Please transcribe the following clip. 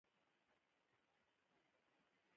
پیاله له وحدته ډکه ده.